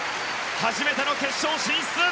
初めての決勝進出。